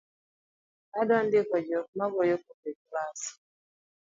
Adwa ndiko jok ma goyo koko e klas